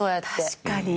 確かに。